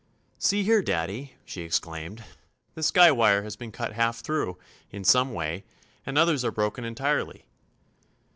"See here, Daddy," she exclaimed; "this guy wire has been cut half through, in some way, and others are broken entirely."